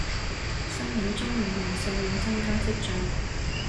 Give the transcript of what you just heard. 申領綜援人數有增加跡象